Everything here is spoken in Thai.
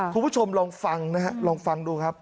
คุณผู้ชมลองฟังนะฮะลองฟังดูครับ